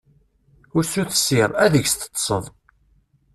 Usu tessiḍ, ad deg-s teṭṭseḍ.